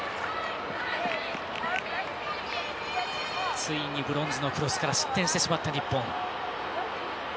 ついにブロンズのクロスから失点してしまった日本。